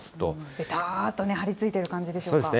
べたーと貼り付いている感じでしょうか。